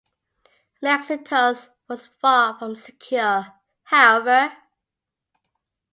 Maxentius was far from secure, however.